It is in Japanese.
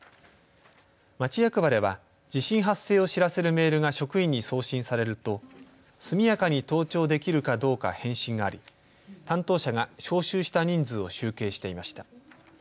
町役場では地震発生を知らせるメールが職員に送信されると速やかに登庁できるかどうか返信があり、担当者が招集した人数を集計していました。